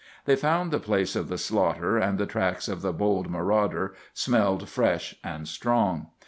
They found the place of the slaughter, and the tracks of the bold marauder smelled fresh and strong.